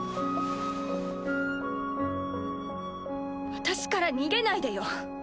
私から逃げないでよ。